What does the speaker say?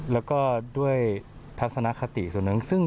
แล้วก็ด้วยทัศนคติส่วนหนึ่ง